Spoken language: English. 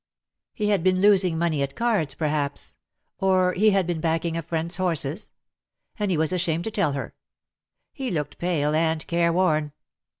He had been losing money at cards perhaps; or he had been backing a friend's horses; and he was ashamed to tell her. He looked pale and careworn.